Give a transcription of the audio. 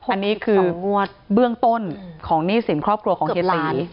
อันนี้คืองวดเบื้องต้นของหนี้สินครอบครัวของเฮียตี